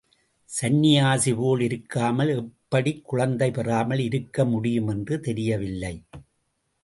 சன்னியாசிபோல் இருக்காமல் எப்படிக்குழந்தை பெறாமல் இருக்க முடியும் என்று தெரியவில்லை.